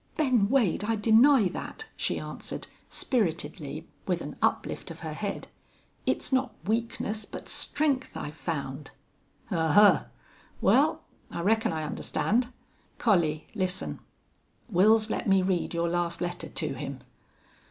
"Ben Wade, I deny that," she answered, spiritedly, with an uplift of her head. "It's not weakness, but strength I've found." "Ahuh! Well, I reckon I understand. Collie, listen. Wils let me read your last letter to him."